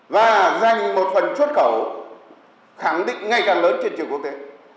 và dành một phần xuất khẩu khẳng định ngày càng lớn trên trường quốc tế